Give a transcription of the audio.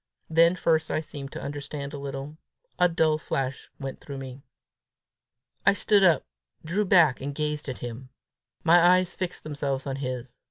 Then first I seemed to understand a little. A dull flash went through me. I stood up, drew back, and gazed at him. My eyes fixed themselves on his.